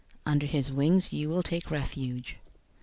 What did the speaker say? Under his wings you will take refuge.